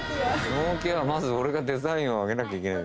納期はまず俺がデザインを上げなきゃいけない。